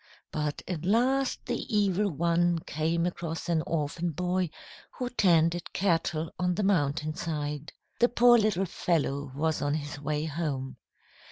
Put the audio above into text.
But at last the Evil One came across an orphan boy who tended cattle on the mountainside. The poor little fellow was on his way home.